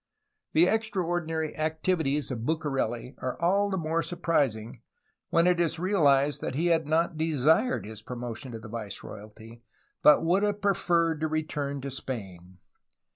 The extraordinary activities of Bucareli are all the more surprising when it is realized that he had not desired his promotion to the viceroyalty, but would have preferred to return to Spain.